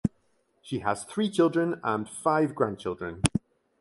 She has three children and five grandchildren.